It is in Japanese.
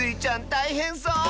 たいへんそう！